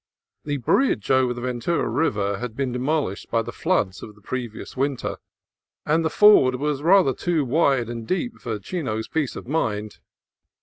The bridge over the Ventura River had been de molished by the floods of the previous winter, and the ford was rather too wide and deep for Chino's peace of mind.